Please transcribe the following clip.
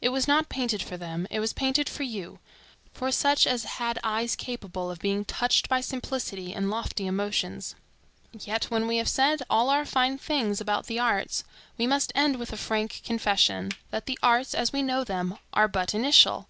It was not painted for them, it was painted for you; for such as had eyes capable of being touched by simplicity and lofty emotions. Yet when we have said all our fine things about the arts, we must end with a frank confession, that the arts, as we know them, are but initial.